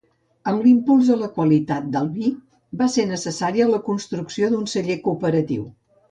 Amb l'impuls a la qualitat del vi va ser necessària la construcció d'un Celler Cooperatiu.